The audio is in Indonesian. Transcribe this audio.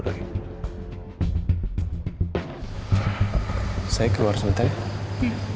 saya keluar sebentar ya